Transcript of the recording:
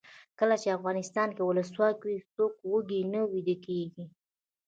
کله چې افغانستان کې ولسواکي وي څوک وږی نه ویدېږي.